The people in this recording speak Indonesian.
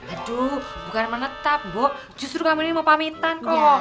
aduh bukan menetap bu justru kamu ini mau pamitan kok